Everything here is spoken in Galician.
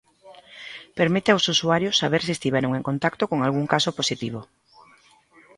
Permite aos usuarios saber se estiveron en contacto con algún caso positivo.